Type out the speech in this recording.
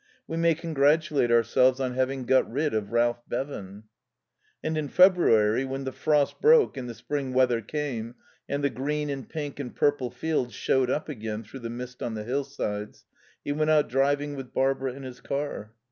We may congratulate ourselves on having got rid of Ralph Bevan." And in February, when the frost broke and the spring weather came, and the green and pink and purple fields showed up again through the mist on the hillsides, he went out driving with Barbara in his car.